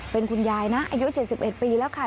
เป็นคุณยายนะอายุเจ็ดสิบเอ็ดปีแล้วค่ะ